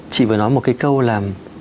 chị vừa nói một cái câu là